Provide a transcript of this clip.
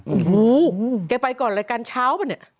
โอ้โหแกไปก่อนรายการเช้าป่ะเนี่ย